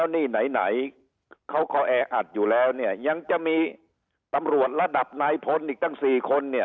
นี่ไหนไหนเขาก็แออัดอยู่แล้วเนี่ยยังจะมีตำรวจระดับนายพลอีกตั้ง๔คนเนี่ย